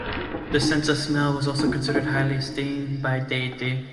The sense of smell was also considered highly esteemed by deity.